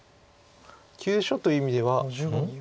急所という意味ではうん？